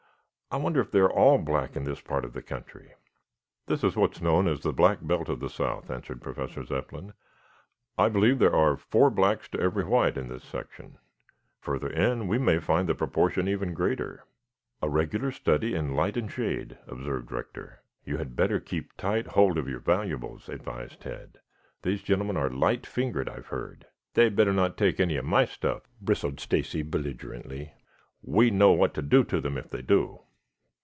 I wonder if they are all black in this part of the country?" "This is what is known as the Black Belt of the South," answered Professor Zepplin. "I believe there are four blacks to every white in this section. Further in we may find the proportion even greater." "A regular study in light and shade," observed Rector. "You had better keep tight hold of your valuables," advised Tad. "These gentlemen are light fingered, I have heard." "They better not take any of my stuff," bristled Stacy belligerently. "We know what to do to them if they do."